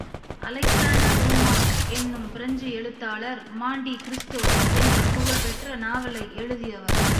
Alexander Dumas என்னும் French எழுத்தாளர் Monte Cristo என்ற புகழ்பெற்ற நாவலை எழுதியவர்.